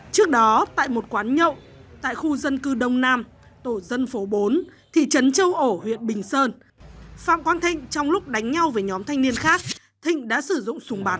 trước đó tại một quán nhậu tại khu dân cư đông nam tổ dân phố bốn thị trấn châu ổ huyện bình sơn phạm quang thịnh trong lúc đánh nhau với nhóm thanh niên khác thịnh đã sử dụng súng bắn